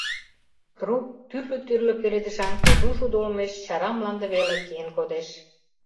Трук тӱрлӧ-тӱрлӧ пеледышан кужу шудо олмеш чара мланде веле киен кодеш.